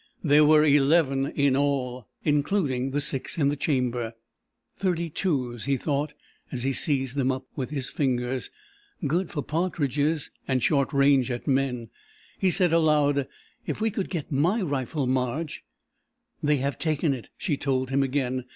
There were eleven in all, including the six in the chamber. "Thirty twos," he thought, as he seized them up with his fingers. "Good for partridges and short range at men!" He said, aloud: "If we could get my rifle, Marge...." "They have taken it," she told him again.